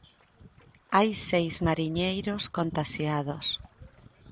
Hai seis mariñeiros contaxiados.